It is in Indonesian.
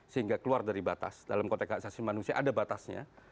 sehingga keluar dari batas dalam konteks hak asasi manusia ada batasnya